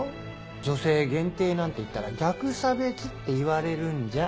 「女性限定」なんて言ったら逆差別って言われるんじゃ？